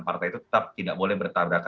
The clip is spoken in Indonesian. partai itu tetap tidak boleh bertabrakan